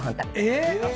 えっ！